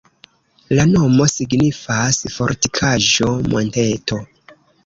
La nomo signifas: fortikaĵo-monteto.